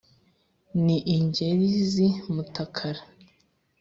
ni ingeri z’ i mutakara